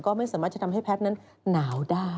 ก็ไม่สามารถจะทำให้แพทย์นั้นหนาวได้